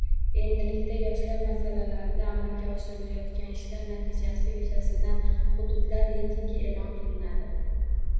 Endilikda yoshlar masalalarida amalga oshirilayotgan ishlar natijasi yuzasidan hududlar reytingi e’lon qilinadi